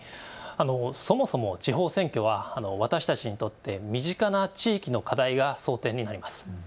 そもそも地方選挙は私たちにとって身近な地域の課題が争点になります。